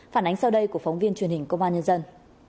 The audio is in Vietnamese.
phản ánh sau đây của phóng viên truyền hình công an nhân dân